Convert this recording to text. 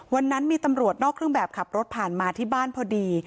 วันนั้นมีตำรวจนอกเครื่องแบบขับรถผ่านมาที่บ้านพอดี